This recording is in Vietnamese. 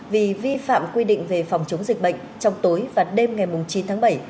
vì vi phạm quy định về phòng chống dịch bệnh trong tối và đêm ngày chín tháng bảy